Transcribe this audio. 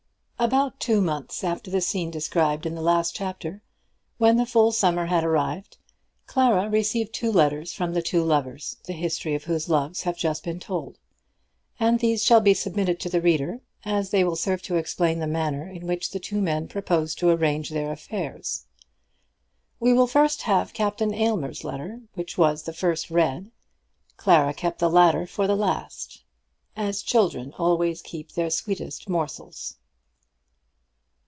About two months after the scene described in the last chapter, when the full summer had arrived, Clara received two letters from the two lovers, the history of whose loves have just been told, and these shall be submitted to the reader, as they will serve to explain the manner in which the two men proposed to arrange their affairs. We will first have Captain Aylmer's letter, which was the first read; Clara kept the latter for the last, as children always keep their sweetest morsels.